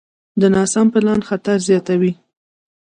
د ناسم پلان خطر زیاتوي.